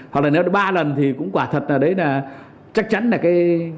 hoặc là nếu ba lần thì cũng quả thật là đấy là chắc chắn là cái